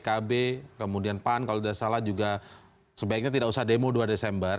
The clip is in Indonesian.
lalu kemudian mulai sekarang muncul pernyataan pernyataan dari ketua presiden